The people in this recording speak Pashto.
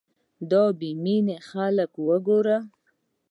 دا بې مينې خلک وګوره